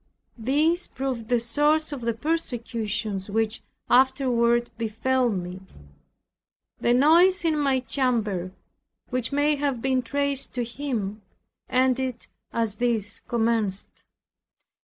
This proved the source of the persecutions which afterward befell me. The noise in my chamber, which may have been traced to him, ended as these commenced.